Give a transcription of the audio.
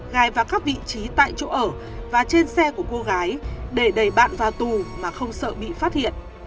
gài vào các vị trí tại chỗ ở và trên xe của cô gái để đẩy bạn vào tù mà không sợ bị phát hiện